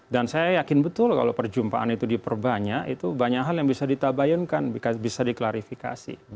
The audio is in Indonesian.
dan saya yakin betul kalau perjumpaan itu diperbanyak itu banyak hal yang bisa ditabayunkan bisa diklarifikasi